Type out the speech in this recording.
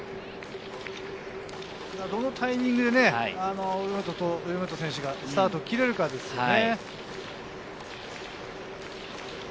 どのタイミングでうまく上本選手がスタートを切れるかですよね。